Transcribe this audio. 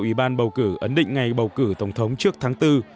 ủy ban bầu cử ấn định ngày bầu cử tổng thống trước tháng bốn